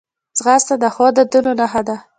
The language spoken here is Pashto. ځغاسته د ښو عادتونو نښه ده